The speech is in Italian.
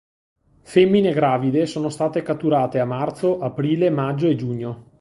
Femmine gravide sono state catturate a marzo, aprile, maggio e giugno.